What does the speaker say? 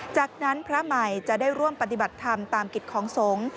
จากนั้นพระใหม่จะได้ร่วมปฏิบัติธรรมตามกิจของสงฆ์